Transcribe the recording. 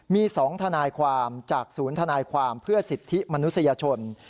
มี๒ทนายความจากศูนย์ทนายความเพื่อสิทธิมนุษยชน